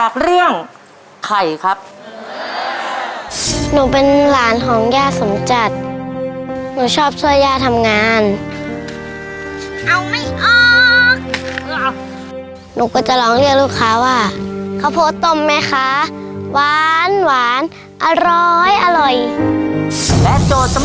เก็บทุกวันค่ะ